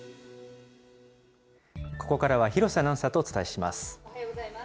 ここからは廣瀬アナウンサーとお伝えします。